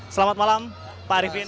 selamat malam pak arifin